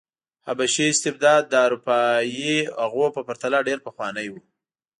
حبشي استبداد د اروپايي هغو په پرتله ډېر پخوانی و.